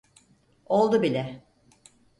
Oldu bile.